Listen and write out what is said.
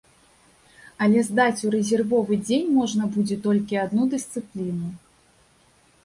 Але здаць у рэзервовы дзень можна будзе толькі адну дысцыпліну.